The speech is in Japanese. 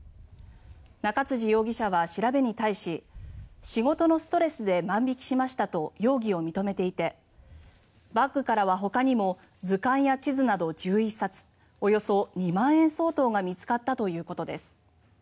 中辻容疑者は調べに対し仕事のストレスで万引きしましたと容疑を認めていてバッグからはほかにも図鑑や地図など１１冊およそ２万円相当が見つかったということです。